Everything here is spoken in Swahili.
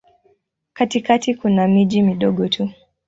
Katikati kuna miji midogo tu.